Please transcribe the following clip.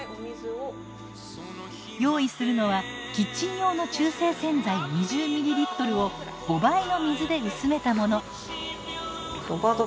用意するのはキッチン用の中性洗剤２０ｍｌを５倍の水で薄めたもの。